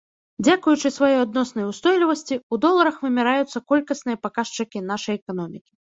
Дзякуючы сваёй адноснай устойлівасці ў доларах вымяраюцца колькасныя паказчыкі нашай эканомікі.